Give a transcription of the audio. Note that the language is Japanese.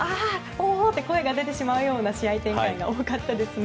おー！と声が出てしまうような試合展開が多かったですね。